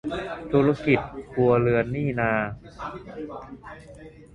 ธุรกิจครัวเรือนนี่นา